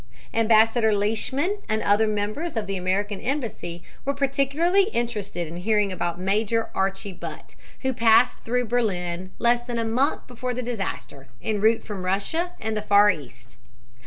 Ambassador Leishman and other members of the American Embassy were particularly interested in hearing about Major "Archie" Butt, who passed through Berlin, less than a month before the disaster, en route from Russia and the Far East.